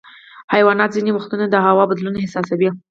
حیوانات ځینې وختونه د هوا بدلون احساسوي.